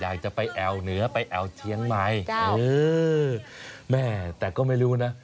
อยากจะไปแอวเหนือไปแอวเชียงใหม่เออแม่แต่ก็ไม่รู้นะ